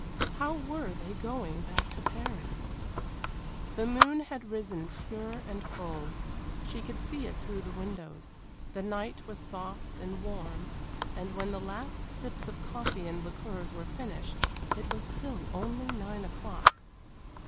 How were they going back to Paris? The moon had risen pure and full, she could see it through the windows. The night was soft and warm, and when the last sips of coffee and liqueurs were finished it was still only nine o'clock.